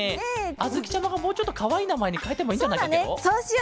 あづきちゃまがもうちょっとかわいいなまえにかえてもいいんじゃないかケロ？